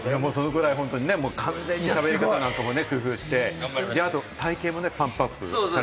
完全にしゃべり方なんかも工夫して体もパンプアップして。